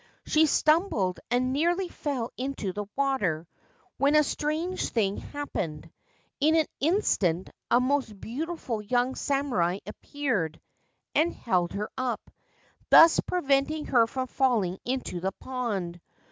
She stumbled and nearly fell into the water, when a strange thing happened. In an instant a most beautiful young samurai appeared and held her up, thus preventing her from falling into the pond.